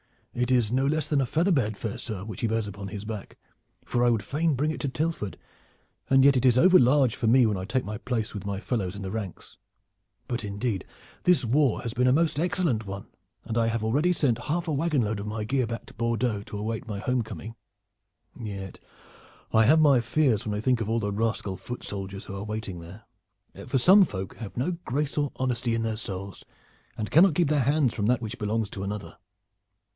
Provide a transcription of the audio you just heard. "It is no less than a feather bed, fair sir, which he bears upon his back, for I would fain bring it to Tilford, and yet it is overlarge for me when I take my place with my fellows in the ranks. But indeed this war has been a most excellent one, and I have already sent half a wagonload of my gear back to Bordeaux to await my homecoming. Yet I have my fears when I think of all the rascal foot archers who are waiting there, for some folk have no grace or honesty in their souls, and cannot keep their hands from that which belongs to another.